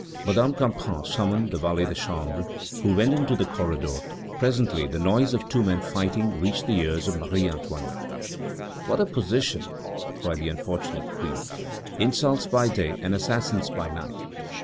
Madame Campan summoned the valet de chambre, who went into the corridor; presently the noise of two men fighting reached the ears of Marie Antoinette. "What a position!" cried the unfortunate Queen. "Insults by day and assassins by night!"